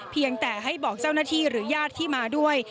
เพียงแต่ให้บอกเจ้าหน้าที่หรือญาติที่มาด้วย